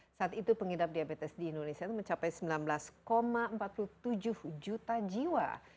di indonesia penyandang diabetes tersebut mencapai sembilan belas empat puluh tujuh juta jiwa